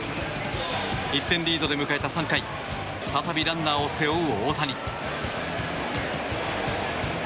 １点リードで迎えた３回再びランナーを背負う大谷。